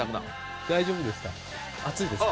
大丈夫ですか？